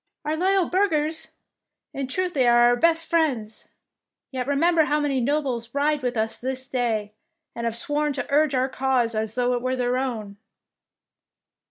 ^" Our loyal burghers ! In truth they are our best friends. Yet remember how many nobles ride with us this day, and have sworn to urge our cause as though it were their own."